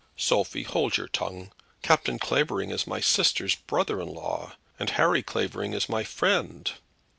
"Sophie, hold your tongue. Captain Clavering is my sister's brother in law, and Harry Clavering is my friend."